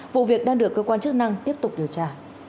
vụ việc đang được cơ quan chức năng tiếp tục điều tra